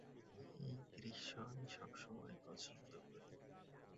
এই দৃশ্য আমি সবসময় পছন্দ করি।